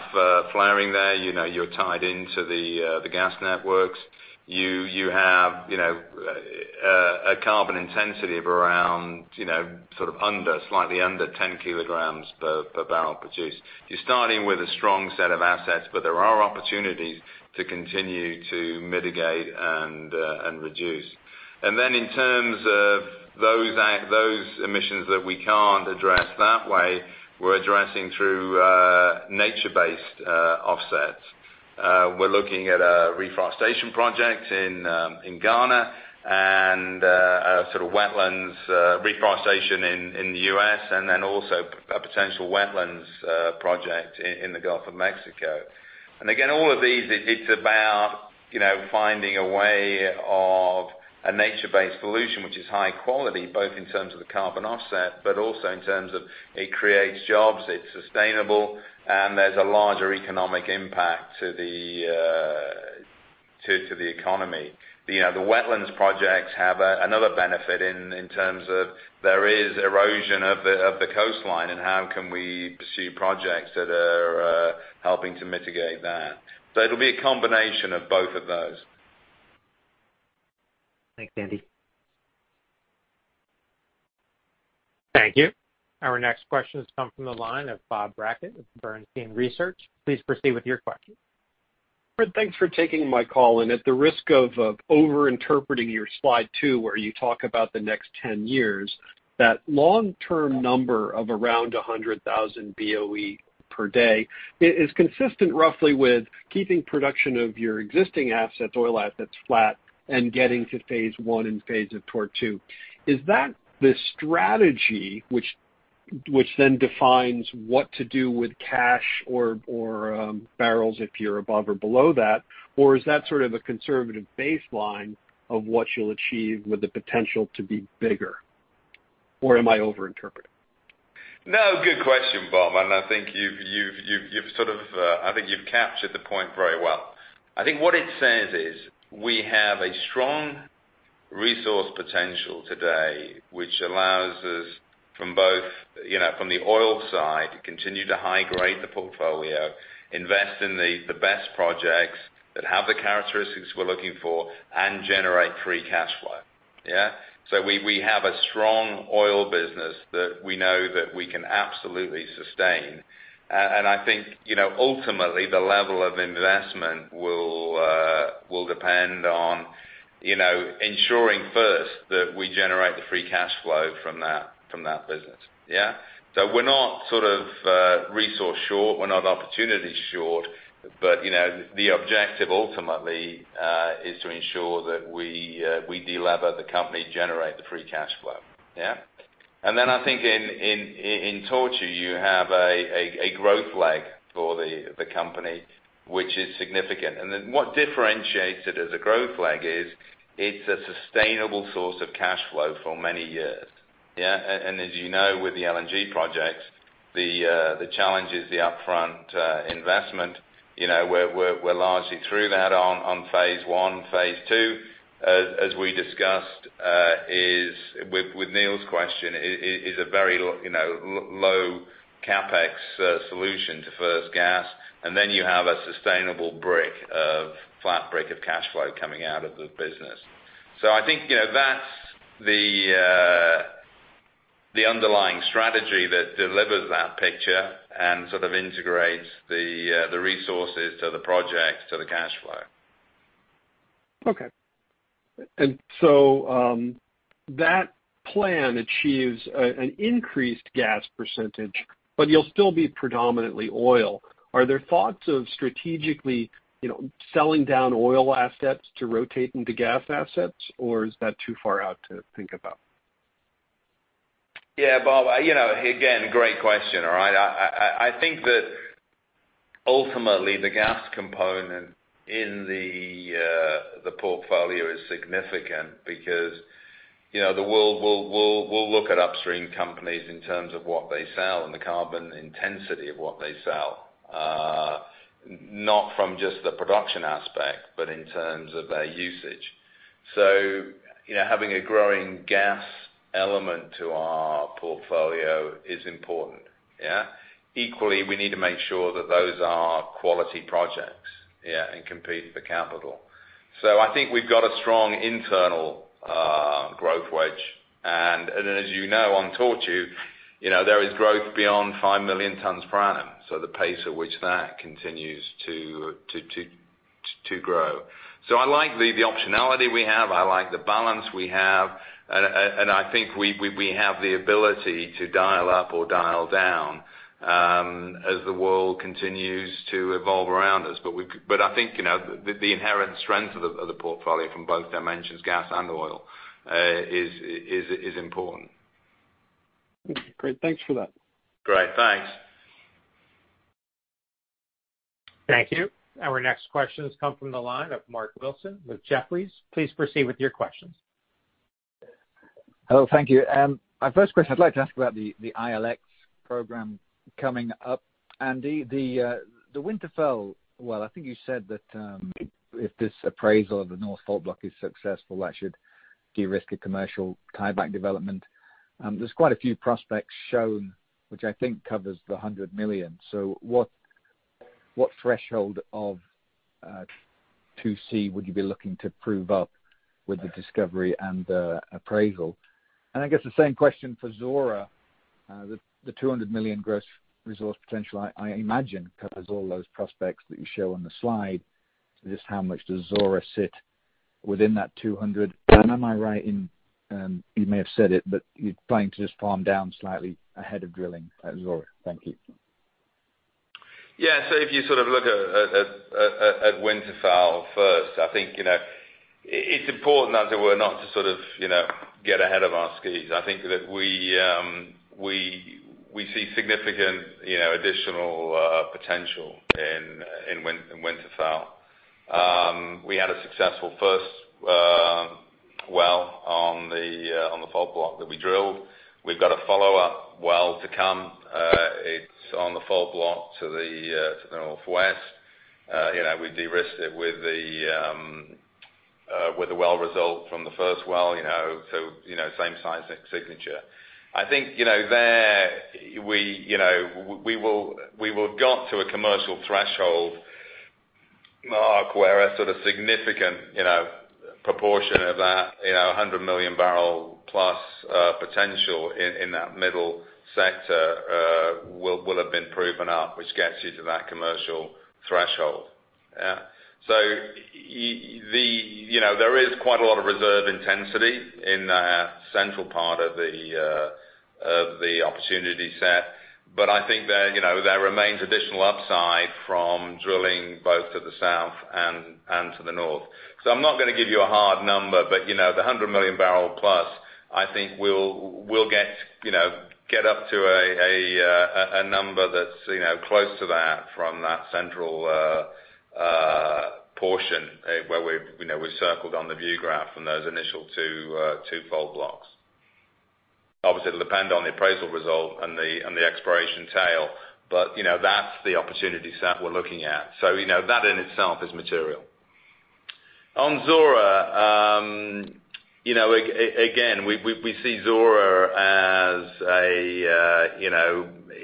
flaring there. You're tied into the gas networks. You have a carbon intensity of around slightly under 10 kg/bbl produced. You're starting with a strong set of assets, but there are opportunities to continue to mitigate and reduce. In terms of those emissions that we can't address that way, we're addressing through nature-based offsets. We're looking at a reforestation project in Ghana and a sort of wetlands reforestation in the U.S., then also a potential wetlands project in the Gulf of Mexico. Again, all of these, it's about finding a way of a nature-based solution, which is high quality, both in terms of the carbon offset, also in terms of it creates jobs, it's sustainable, there's a larger economic impact to the economy. The wetlands projects have another benefit in terms of there is erosion of the coastline, how can we pursue projects that are helping to mitigate that. It'll be a combination of both of those.
Thanks, Andy.
Thank you. Our next question has come from the line of Bob Brackett with Bernstein Research. Please proceed with your question.
Andy, thanks for taking my call. At the risk of over-interpreting your slide two where you talk about the next 10 years, that long-term number of around 100,000 BOE per day is consistent roughly with keeping production of your existing assets, oil assets flat and getting to Phase 1 and Phase 2 of Tortue. Is that the strategy which then defines what to do with cash or barrels if you're above or below that? Is that sort of a conservative baseline of what you'll achieve with the potential to be bigger? Am I over-interpreting?
No, good question, Bob. I think you've captured the point very well. I think what it says is we have a strong resource potential today, which allows us from the oil side to continue to high grade the portfolio, invest in the best projects that have the characteristics we're looking for, and generate free cash flow. Yeah. We have a strong oil business that we know that we can absolutely sustain. I think ultimately the level of investment will depend on ensuring first that we generate the free cash flow from that business. Yeah. We're not sort of resource short, we're not opportunity short. The objective ultimately is to ensure that we delever the company, generate the free cash flow. Yeah. I think in Tortue you have a growth leg for the company, which is significant. What differentiates it as a growth leg is it's a sustainable source of cash flow for many years. Yeah. As you know, with the LNG projects, the challenge is the upfront investment. We're largely through that on Phase 1. Phase 2, as we discussed with Neil's question, is a very low CapEx solution to first gas. You have a sustainable flat brick of cash flow coming out of the business. I think that's the underlying strategy that delivers that picture and sort of integrates the resources to the project, to the cash flow.
Okay. That plan achieves an increased gas percentage, but you'll still be predominantly oil. Are there thoughts of strategically selling down oil assets to rotate into gas assets? Is that too far out to think about?
Yeah, Bob, again, great question. All right. I think that ultimately the gas component in the portfolio is significant because the world will look at upstream companies in terms of what they sell and the carbon intensity of what they sell, not from just the production aspect, but in terms of their usage. Having a growing gas element to our portfolio is important. Yeah. Equally, we need to make sure that those are quality projects and compete for capital. I think we've got a strong internal growth wedge. As you know, on Tortue, there is growth beyond 5 million tons per annum. The pace at which that continues to grow. I like the optionality we have. I like the balance we have. I think we have the ability to dial up or dial down as the world continues to evolve around us. I think the inherent strength of the portfolio from both dimensions, gas and oil, is important.
Okay, great. Thanks for that.
Great. Thanks.
Thank you. Our next question has come from the line of Mark Wilson with Jefferies. Please proceed with your questions.
Hello. Thank you. My first question, I'd like to ask about the ILX program coming up. Andy, the Winterfell, well, I think you said that if this appraisal of the North Fault Block is successful, that should de-risk a commercial tieback development. There's quite a few prospects shown, which I think covers the 100 million BOE. What threshold of 2C would you be looking to prove up with the discovery and the appraisal? I guess the same question for Zora. The 200 million bbl gross resource potential, I imagine covers all those prospects that you show on the slide. Just how much does Zora sit within that 200 million bbl? Am I right in, you may have said it, but you're planning to just farm down slightly ahead of drilling at Zora? Thank you.
Yeah. If you sort of look at Winterfell first, I think it's important, as it were, not to sort of get ahead of our skis. I think that we see significant additional potential in Winterfell. We had a successful first well on the fault block that we drilled. We've got a follow-up well to come. It's on the fault block to the northwest. We de-risked it with the well result from the first well, so same size signature. I think there we will have got to a commercial threshold. Sort of significant proportion of that 100-million-bbl-plus potential in that middle sector will have been proven up, which gets you to that commercial threshold. Yeah. There is quite a lot of reserve intensity in that central part of the opportunity set. I think there remains additional upside from drilling both to the south and to the north. I'm not going to give you a hard number, but the 100 million bbl plus, I think we'll get up to a number that's close to that from that central portion where we've circled on the view graph from those initial two fault blocks. It'll depend on the appraisal result and the exploration tail, but that's the opportunity set we're looking at. That in itself is material. On Zora, again, we see Zora.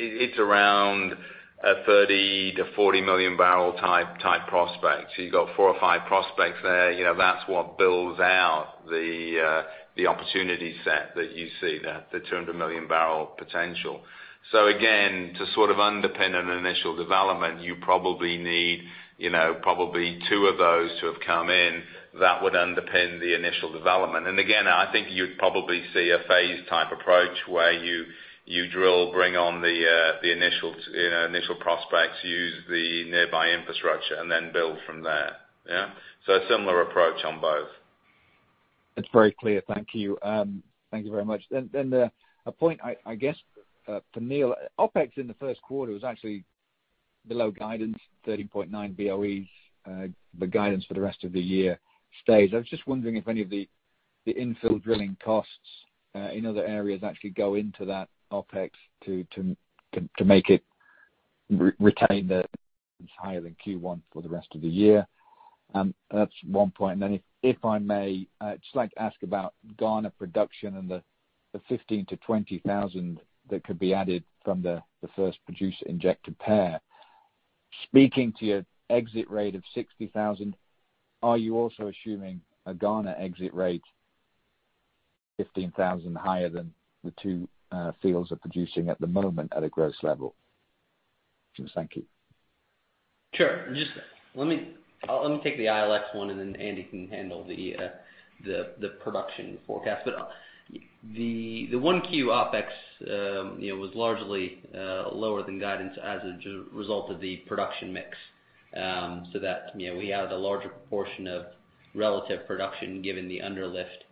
It's around a 30 million bbl to 40 million bbl-type prospect. You've got four or five prospects there. That's what builds out the opportunity set that you see there, the 200 million bbl potential. Again, to sort of underpin an initial development, you probably need probably two of those to have come in that would underpin the initial development. Again, I think you'd probably see a phase-type approach where you drill, bring on the initial prospects, use the nearby infrastructure, and then build from there. Yeah? A similar approach on both.
That's very clear. Thank you. Thank you very much. A point, I guess, for Neal. OpEx in the first quarter was actually below guidance, 13.9 BOEs. The guidance for the rest of the year stays. I was just wondering if any of the infill drilling costs in other areas actually go into that OpEx to make it retain the higher than Q1 for the rest of the year. That's one point. If I may, I'd just like to ask about Ghana production and the 15,000-20,000 bbl of oil per day that could be added from the first producer injector pair. Speaking to your exit rate of 60,000 BOE, are you also assuming a Ghana exit rate 15,000 BOE higher than the two fields are producing at the moment at a gross level? Thank you.
Sure. Let me take the ILX one, and then Andy can handle the production forecast. The 1Q OpEx was largely lower than guidance as a result of the production mix. We have the larger proportion of relative production, given the under lift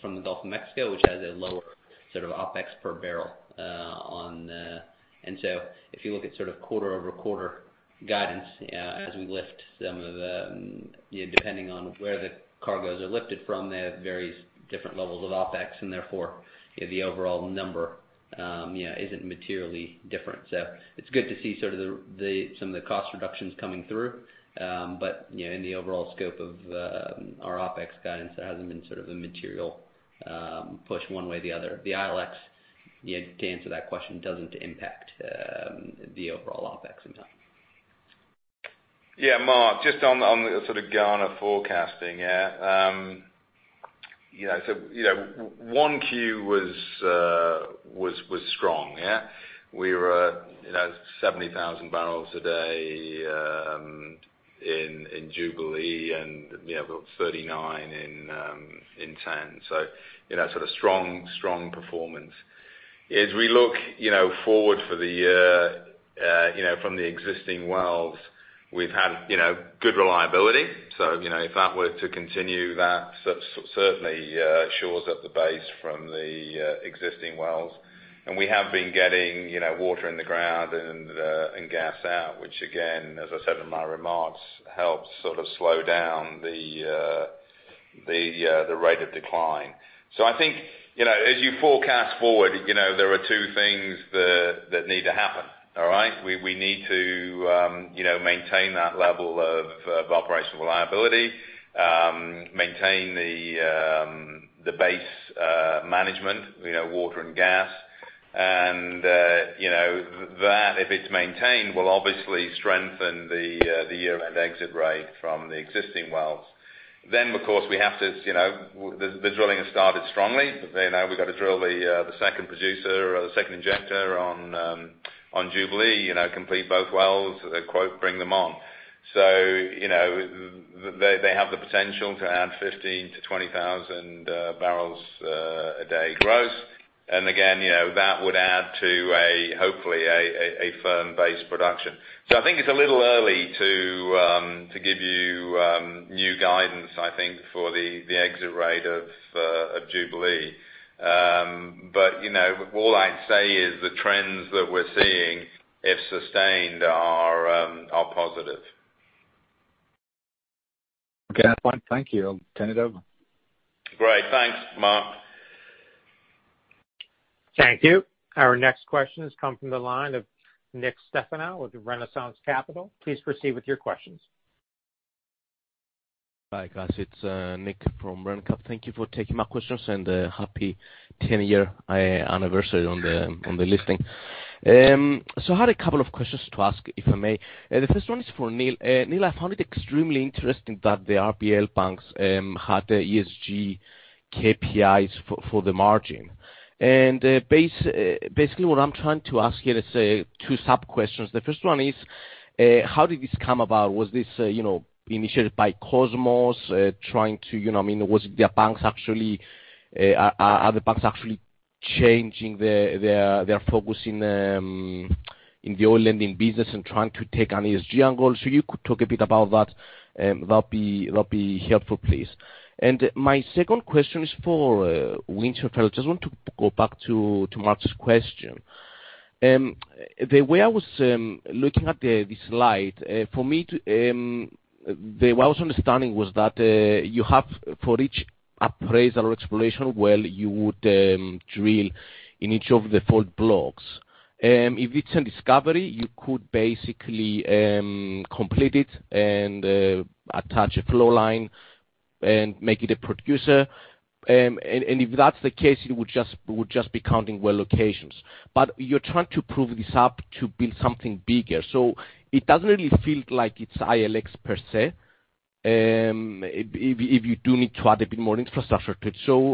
from the Gulf of Mexico, which has a lower sort of OpEx per barrel. If you look at quarter-over-quarter guidance as we lift, depending on where the cargoes are lifted from, they have various different levels of OpEx, and therefore, the overall number isn't materially different. It's good to see some of the cost reductions coming through. In the overall scope of our OpEx guidance, that hasn't been sort of a material push one way or the other. The ILX, to answer that question, doesn't impact the overall OpEx impact.
Mark, just on the sort of Ghana forecasting. 1Q was strong. Yeah? We were at 70,000 bbl a day in Jubilee, and we have 39,000 bbl a day in TEN. Sort of strong performance. As we look forward for the year from the existing wells, we've had good reliability. If that were to continue, that certainly shores up the base from the existing wells. We have been getting water in the ground and gas out, which again, as I said in my remarks, helps sort of slow down the rate of decline. I think, as you forecast forward, there are two things that need to happen. All right? We need to maintain that level of operational reliability, maintain the base management, water and gas. That, if it's maintained, will obviously strengthen the year-end exit rate from the existing wells. Of course, the drilling has started strongly. We've got to drill the second producer or the second injector on Jubilee, complete both wells, quote, bring them on. They have the potential to add 15,000 to 20,000 bbl a day gross. Again, that would add to hopefully a firm base production. I think it's a little early to give you new guidance, I think, for the exit rate of Jubilee. All I'd say is the trends that we're seeing, if sustained, are positive.
Okay. That's fine. Thank you. I'll turn it over.
Great. Thanks, Mark.
Thank you. Our next question has come from the line of Nick Stefanou with Renaissance Capital. Please proceed with your questions.
Hi, guys. It's Nick from RenCap. Thank you for taking my questions and happy 10-year anniversary on the listing.
Thank you.
I had a couple of questions to ask, if I may. The first one is for Neal. Neal, I found it extremely interesting that the RBL banks had ESG KPIs for the margin. Basically, what I'm trying to ask here, let's say two sub-questions. The first one is how did this come about? Was this initiated by Kosmos? Are the banks actually changing their focus in the oil lending business and trying to take an ESG angle? If you could talk a bit about that'd be helpful, please. My second question is for Winterfell. I just want to go back to Mark's question. The way I was looking at this slide, for me, what I was understanding was that you have for each appraisal or exploration well, you would drill in each of the fault blocks. If it's a discovery, you could basically complete it and attach a flow line and make it a producer. If that's the case, you would just be counting well locations. You're trying to prove this up to build something bigger. It doesn't really feel like it's ILX per se if you do need to add a bit more infrastructure to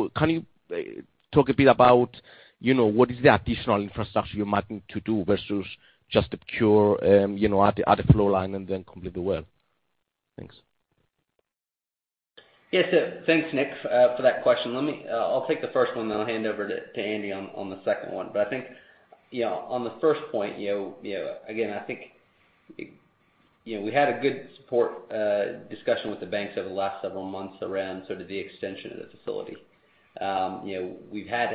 it. Can you talk a bit about what is the additional infrastructure you might need to do versus just the pure add a flow line and then complete the well? Thanks.
Yes. Thanks, Nick, for that question. I'll take the first one, then I'll hand over to Andy on the second one. I think on the first point, again, I think we had a good support discussion with the banks over the last several months around sort of the extension of the facility. We've had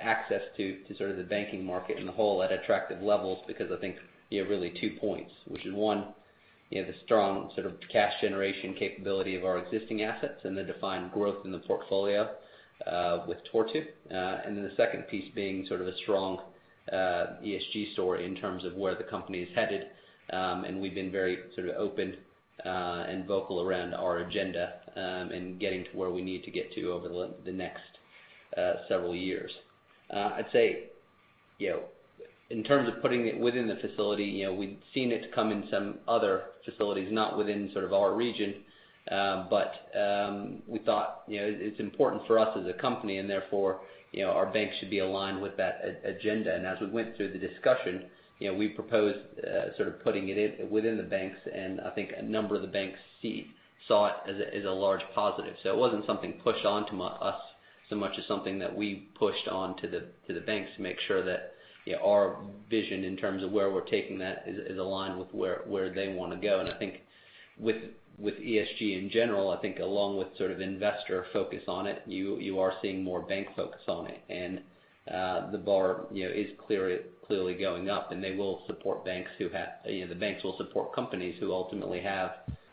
access to sort of the banking market in the whole at attractive levels because I think really two points, which is one, the strong sort of cash generation capability of our existing assets and the defined growth in the portfolio with Tortue. The second piece being sort of a strong ESG story in terms of where the company is headed. We've been very sort of open and vocal around our agenda, and getting to where we need to get to over the next several years. I'd say, in terms of putting it within the facility, we've seen it come in some other facilities, not within sort of our region. We thought it's important for us as a company and therefore our bank should be aligned with that agenda. As we went through the discussion, we proposed sort of putting it within the banks, and I think a number of the banks saw it as a large positive. It wasn't something pushed onto us so much as something that we pushed on to the banks to make sure that our vision in terms of where we're taking that is aligned with where they want to go. I think with ESG in general, I think along with sort of investor focus on it, you are seeing more bank focus on it. The bar is clearly going up, and the banks will support companies who ultimately have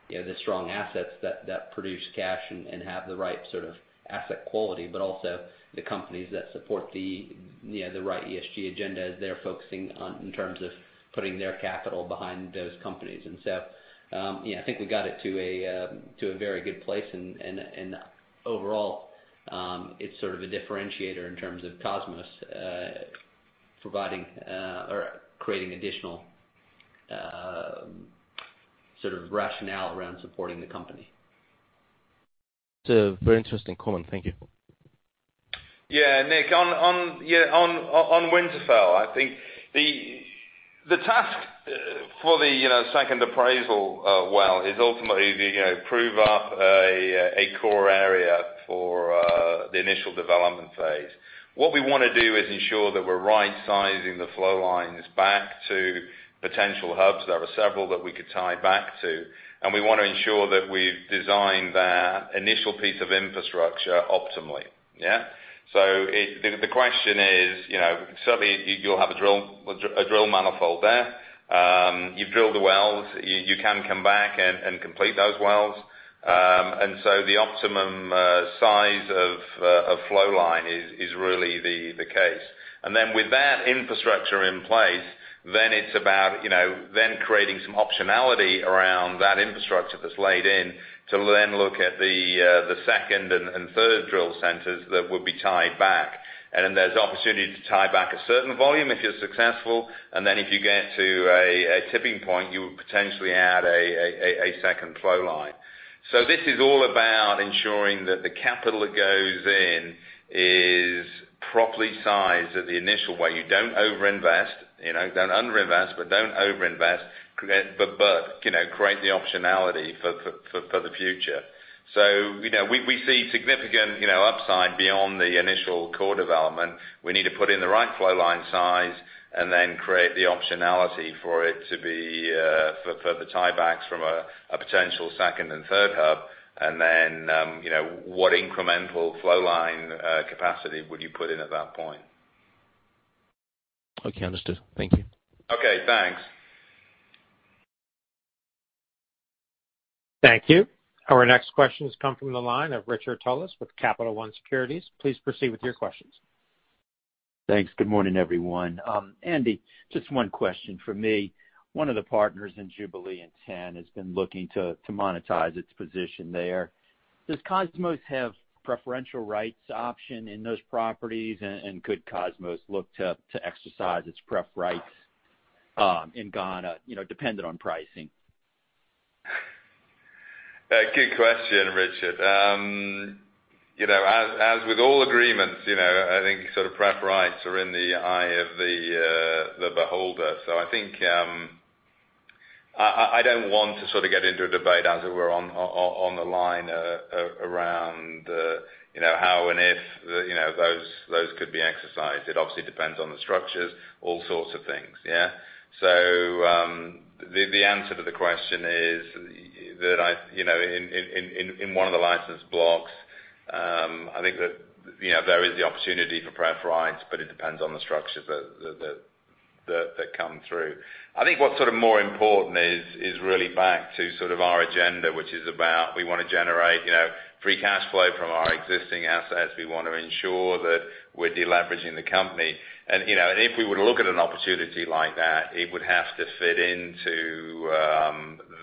the strong assets that produce cash and have the right sort of asset quality, but also the companies that support the right ESG agenda as they're focusing on in terms of putting their capital behind those companies. I think we got it to a very good place and overall, it's sort of a differentiator in terms of Kosmos providing or creating additional sort of rationale around supporting the company.
It's a very interesting comment. Thank you.
Yeah, Nick, on Winterfell. I think the task for the second appraisal well is ultimately to prove up a core area for the initial development phase. What we want to do is ensure that we're right-sizing the flow lines back to potential hubs. There are several that we could tie back to, and we want to ensure that we've designed that initial piece of infrastructure optimally. Yeah? The question is, certainly you'll have a drill manifold there. You've drilled the wells. You can come back and complete those wells. The optimum size of flow line is really the case. With that infrastructure in place, then it's about then creating some optionality around that infrastructure that's laid in to then look at the second and third drill centers that would be tied back. There's opportunity to tie back a certain volume if you're successful, and then if you get to a tipping point, you would potentially add a second flowline. This is all about ensuring that the capital that goes in is properly sized at the initial well. You don't overinvest. Don't underinvest, but don't overinvest. Create the optionality for the future. We see significant upside beyond the initial core development. We need to put in the right flowline size and then create the optionality for it to be for the tiebacks from a potential second and third hub. What incremental flowline capacity would you put in at that point?
Okay, understood. Thank you.
Okay, thanks.
Thank you. Our next questions come from the line of Richard Tullis with Capital One Securities. Please proceed with your questions.
Thanks. Good morning, everyone. Andy, just one question from me. One of the partners in Jubilee in TEN has been looking to monetize its position there. Does Kosmos have preferential rights option in those properties, and could Kosmos look to exercise its pref rights in Ghana dependent on pricing?
Good question, Richard. As with all agreements, I think sort of pref rights are in the eye of the beholder. I think I don't want to sort of get into a debate as it were on the line around how and if those could be exercised. It obviously depends on the structures, all sorts of things, yeah? The answer to the question is that in one of the licensed blocks, I think that there is the opportunity for pref rights, but it depends on the structures that come through. I think what sort of more important is really back to sort of our agenda, which is about we want to generate free cash flow from our existing assets. We want to ensure that we're de-leveraging the company. If we were to look at an opportunity like that, it would have to fit into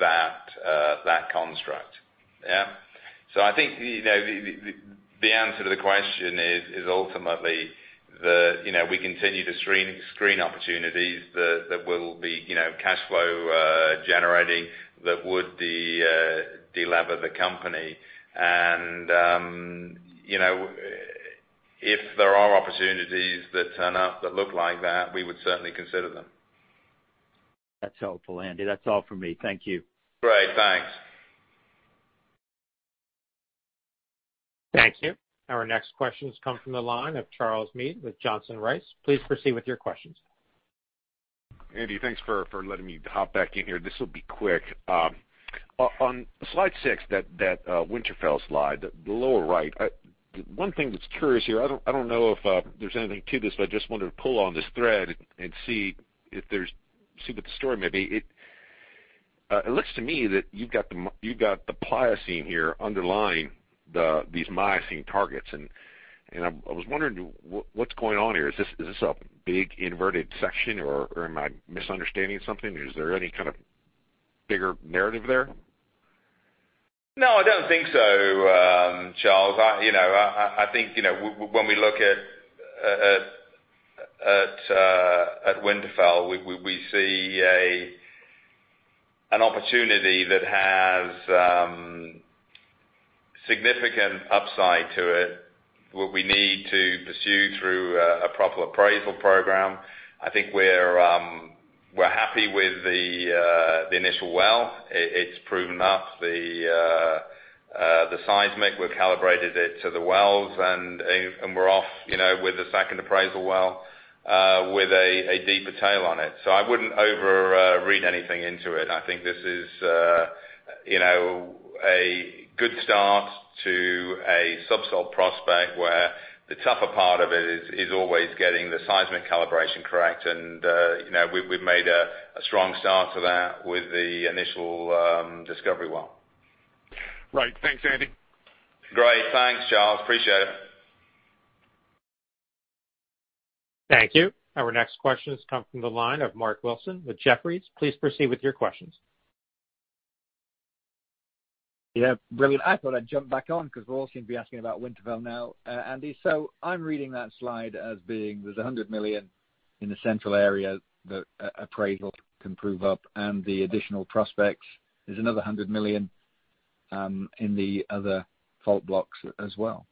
that construct. Yeah? I think the answer to the question is ultimately that we continue to screen opportunities that will be cash flow generating that would de-lever the company. If there are opportunities that turn up that look like that, we would certainly consider them.
That's helpful, Andy. That's all for me. Thank you.
Great. Thanks.
Thank you. Our next questions come from the line of Charles Meade with Johnson Rice. Please proceed with your questions.
Andy, thanks for letting me hop back in here. This will be quick. On slide six, that Winterfell slide, the lower right. One thing that's curious here, I don't know if there's anything to this, but I just wanted to pull on this thread and see what the story may be. It looks to me that you've got the Pliocene here underlying these Miocene targets. I was wondering what's going on here. Is this a big, inverted section, or am I misunderstanding something? Is there any kind of bigger narrative there?
No, I don't think so, Charles. I think when we look at Winterfell, we see an opportunity that has significant upside to it. What we need to pursue through a proper appraisal program. I think we're happy with the initial well. It's proven up the seismic. We've calibrated it to the wells, and we're off with the second appraisal well with a deeper tail on it. I wouldn't over read anything into it. I think this is a good start to a sub-salt prospect, where the tougher part of it is always getting the seismic calibration correct. We've made a strong start to that with the initial discovery well.
Right. Thanks, Andy.
Great. Thanks, Charles. Appreciate it.
Thank you. Our next question comes from the line of Mark Wilson with Jefferies. Please proceed with your questions.
Yeah, brilliant. I thought I'd jump back on because we all seem to be asking about Winterfell now. Andy, I'm reading that slide as being there's $100 million in the central area that appraisal can prove up, and the additional prospects is another $100 million in the other fault blocks as well.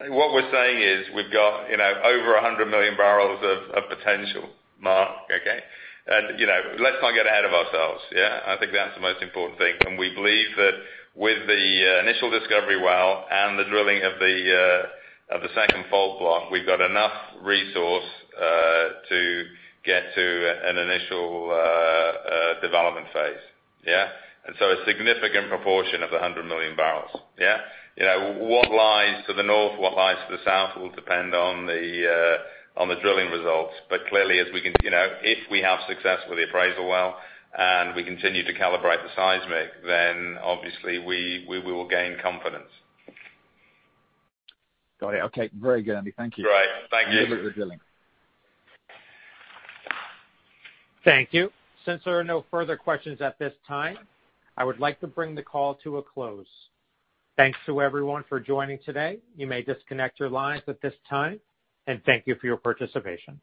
What we're saying is we've got over 100 million bbl of potential, Mark, okay? Let's not get ahead of ourselves, yeah? I think that's the most important thing. We believe that with the initial discovery well and the drilling of the second fault block, we've got enough resource to get to an initial development phase. Yeah? A significant proportion of the 100 million bbl. Yeah? What lies to the north, what lies to the south will depend on the drilling results. Clearly, if we have success with the appraisal well and we continue to calibrate the seismic, then obviously we will gain confidence.
Got it. Okay. Very good, Andy. Thank you.
Great. Thank you.
Good luck with drilling.
Thank you. Since there are no further questions at this time, I would like to bring the call to a close. Thanks to everyone for joining today. You may disconnect your lines at this time, and thank you for your participation.